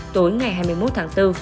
tối ngày hai mươi một tháng bốn